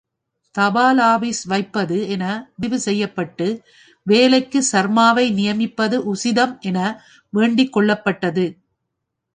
தபாலாபீஸ் வைப்பது என முடிவு செய்யப்பட்டு, வேலைக்கு சர்மாவை நியமிப்பது உசிதம் என வேண்டிக் கொள்ளப்பட்டது.